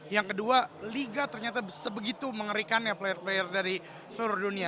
yang kedua liga ternyata sebegitu mengerikannya player player dari seluruh dunia